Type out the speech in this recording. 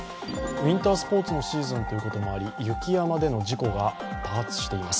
ウインタースポーツのシーズンということもあり雪山での事故が多発しています。